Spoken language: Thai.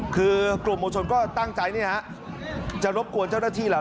คือกลุ่มมวลชนก็ตั้งใจจะรบกวนเจ้าหน้าที่เหรอ